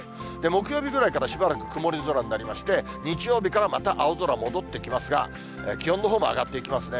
木曜日ぐらいからしばらく曇り空になりまして、日曜日からまた青空、戻ってきますが、気温のほうも上がっていきますね。